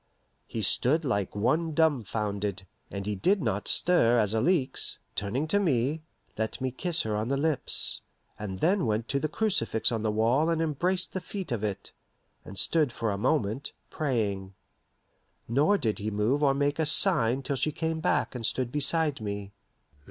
He stood like one dumfounded, and he did not stir as Alixe, turning to me, let me kiss her on the lips, and then went to the crucifix on the wall and embraced the feet of it, and stood for a moment, praying. Nor did he move or make a sign till she came back and stood beside me.